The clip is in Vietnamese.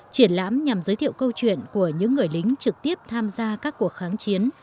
triển lãm nhằm giới thiệu câu chuyện của những người lính trực tiếp tham gia các cuộc kháng chiến